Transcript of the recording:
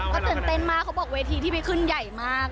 ก็ตื่นเต้นมากเขาบอกเวทีที่ไปขึ้นใหญ่มาก